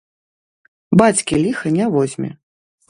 Бацькі ліха не возьме.